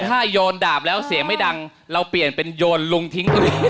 ถ้าโยนดาบแล้วเสียงไม่ดังเราเปลี่ยนเป็นโยนลุงทิ้ง